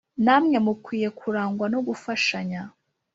namwe mukwiye kurangwa no gufashanya,